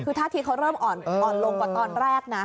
คือท่าทีเขาเริ่มอ่อนลงกว่าตอนแรกนะ